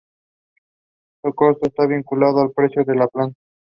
Su costo está vinculado al precio de la plata.